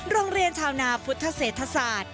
โรงเรียนชาวนาพุทธเศรษฐศาสตร์